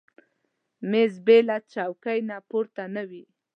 مېز بېله چوکۍ نه پوره نه وي.